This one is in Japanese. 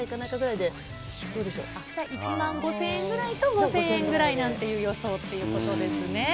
じゃあ１万５０００円ぐらいと、５０００円ぐらいという予想ということですね。